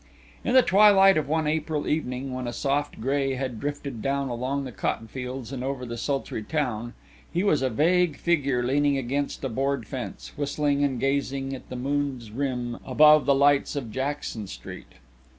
In the twilight of one April evening when a soft gray had drifted down along the cottonfields and over the sultry town, he was a vague figure leaning against a board fence, whistling and gazing at the moon's rim above the lights of Jackson Street.